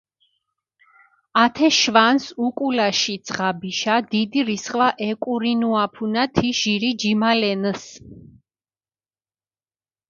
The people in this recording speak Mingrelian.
ათე შვანს უკულაში ძღაბიშა დიდი რისხვა ეკურინუაფუნა თი ჟირი ჯიმალენს.